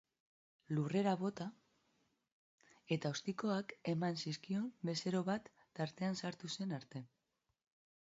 Lurrera bota eta ostikoak eman zizkion bezero bat tartean sartu zen arte.